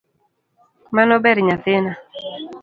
Mano ber nyathina.